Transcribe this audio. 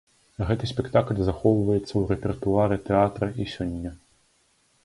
Гэты спектакль захоўваецца ў рэпертуары тэатра і сёння.